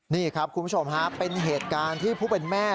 นี่ครับคุณผู้ชมฮะเป็นเหตุการณ์ที่ผู้เป็นแม่